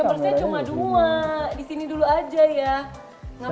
omi persennya cuma dua disini dulu aja ya